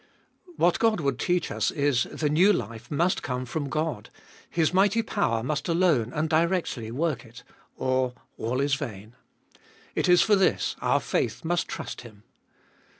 What God would teach us is : the new life must come from God ; His mighty power must alone and directly work it, or all is vain. It is for this our faith must trust Him.